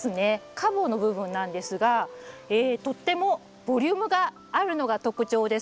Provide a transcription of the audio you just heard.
花房の部分なんですがとってもボリュームがあるのが特徴です。